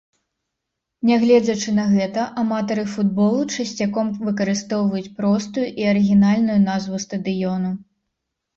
Нягледзячы на гэта, аматары футболу часцяком выкарыстоўваюць простую і арыгінальную назву стадыёну.